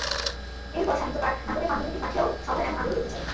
এরপর সাহিত্য পাঠ, নাটকের পাণ্ডুলিপি পাঠেও সবার এমন আগ্রহ দেখতে চাই।